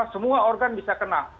semua organ bisa kena